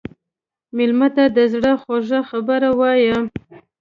مېلمه ته د زړه خوږه خبره وایه.